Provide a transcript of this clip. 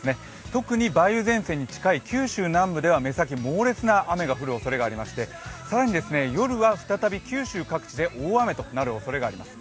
特に梅雨前線に近い九州南部では目先、猛烈な雨が降るおそれがあり更に夜は再び、九州各地で大雨となるおそれがあります。